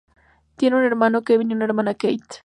Tiene un hermano, Kevin, y una hermana, Katie.